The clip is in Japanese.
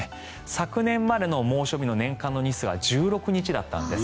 昨年までの猛暑の年間の日数は１６日だったんです。